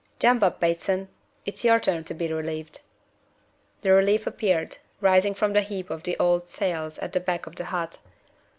"Jump up, Bateson! It's your turn to be relieved." The relief appeared, rising from a heap of old sails at the back of the hut.